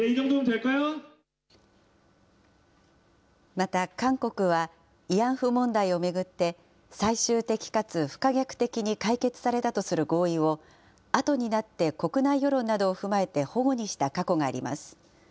また韓国は、慰安婦問題を巡って、最終的かつ不可逆的に解決されたとする合意を、後になって国内世論などを踏まえてほごにした過去があります。